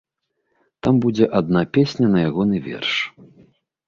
Там будзе адна песня на ягоны верш.